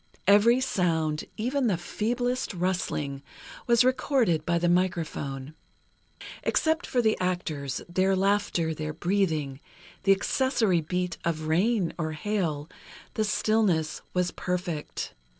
Every sound, even the feeblest rustling, was recorded by the microphone. Except for the actors, their laughter, their breathing, the accessory beat of rain, or hail, the stillness was perfect.